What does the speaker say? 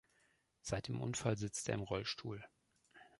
Seit dem Unfall sitzt er im Rollstuhl.